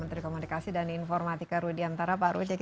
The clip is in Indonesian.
terima kasih para pak ruth ooo garong